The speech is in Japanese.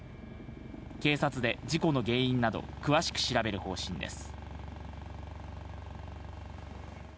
警察で事故の原因など詳しく調べる方針です。